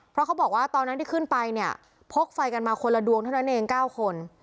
เพราะเขาบอกว่าตอนนั้นที่ขึ้นไปเนี่ยพกไฟกันมาคนละดวงเท่านั้นเอง๙คน